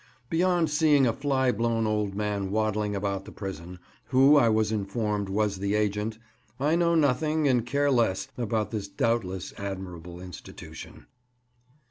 Beyond seeing a fly blown old man waddling about the prison, who, I was informed, was the agent, I know nothing, and care less, about this doubtless admirable institution.